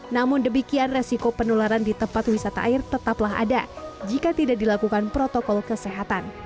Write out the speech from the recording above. namun demikian resiko penularan di tempat wisata air tetaplah ada jika tidak dilakukan protokol kesehatan